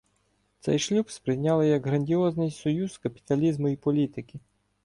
Цей шлюб сприйняли як грандіозний союз капіталізму и політики.